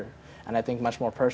dan saya pikir lebih pribadi